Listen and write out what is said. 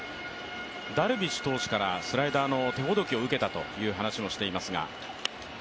ダルビッシュ投手からスライダーの手ほどきを受けたと話をしていましたｇ。